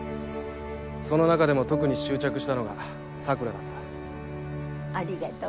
その中でも特に執着したのが桜だった。